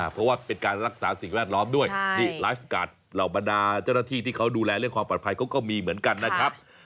เพราะว่าเป็นการรักษาสิ่งแวดล้อมด้วยนี่ไลฟ์การ์ดเหล่าบรรดาเจ้าหน้าที่ที่เขาดูแลเรื่องความปลอดภัยเขาก็มีเหมือนกันนะครับ